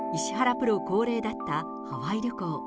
プロ恒例だったハワイ旅行。